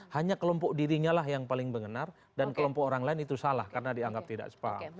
hanya kelompok dirinya lah yang paling benar dan kelompok orang lain itu salah karena dianggap tidak spa